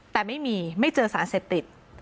แต่ไม่มีไม่เจอสารเสพติด